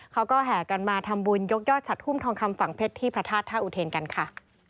เขาก็แห่กันมาทำบุญยกยอดฉัดหุ้มทองคำฝั่งเพชรที่พระธาตุท่าอุเทนกันค่ะ